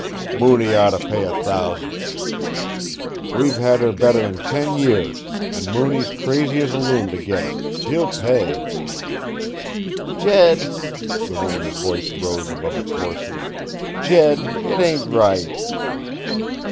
"Mooney ought to pay a thousand. We've had her better'n ten years an' Mooney's crazy as a loon to git her. He'll pay!" "Jed " The woman's voice rose above its hoarseness. "Jed it ain't right!"